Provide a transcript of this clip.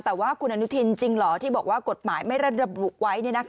แต่ว่าคุณอนุทินจริงเหรอที่บอกว่ากฎหมายไม่ได้ระบุไว้